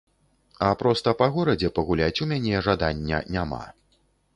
А проста па горадзе пагуляць у мяне жадання няма.